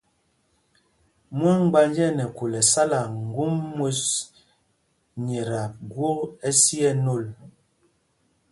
Mwâmgbánj ɛ nɛ khûl ɛsala ŋgum mwes nyɛ ta gwok ɛsi ɛ nôl.